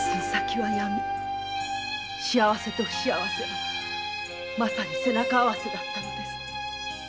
幸せと不幸せは背中合わせだったのです。